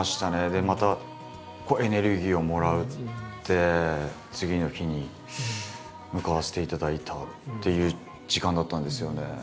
でまた濃いエネルギーをもらって次の日に向かわせていただいたっていう時間だったんですよね。